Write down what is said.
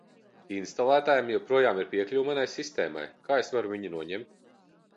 Instalētājam joprojām ir piekļuve manai sistēmai. Kā es varu viņu noņemt?